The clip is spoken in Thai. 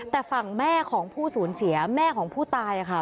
แต่ฝั่งแม่ของผู้สูญเสียแม่ของผู้ตายค่ะ